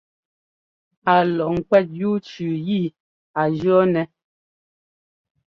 A lɔ kwɛ́t yú cʉʉ yi a jʉ̈ nɛ́.